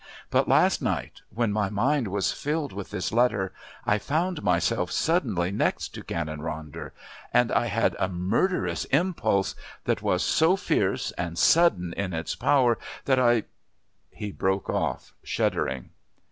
But last night, when my mind was filled with this letter, I found myself suddenly next to Canon Ronder, and I had a murderous impulse that was so fierce and sudden in its power that I " he broke off, shuddering.